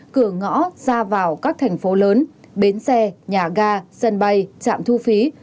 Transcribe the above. cửa ngõ ra vào các thành phố lớn bến xe nhà ga sân bay trạm thu phí